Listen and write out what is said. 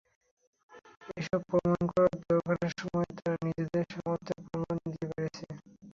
এসব প্রমাণ করে দরকারের সময় তারা নিজেদের সামর্থ্যের প্রমাণ দিতে পেরেছে।